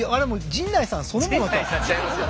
陣内さんちゃいますよ。